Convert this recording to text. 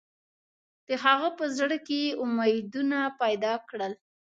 د هغه په زړه کې یې امیدونه پیدا کړل.